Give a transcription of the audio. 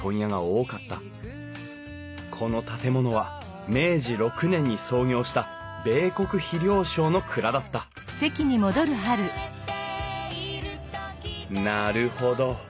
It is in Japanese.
この建物は明治６年に創業した米穀肥料商の蔵だったなるほど。